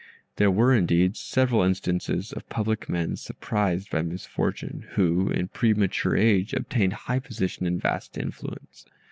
There were, indeed, several instances of public men surprised by misfortune, who, in premature age, obtained high position and vast influence.